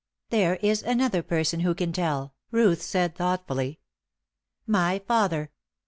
"There is another person who can tell," Ruth said, thoughtfully. "My father.